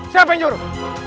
siapa yang menyuruh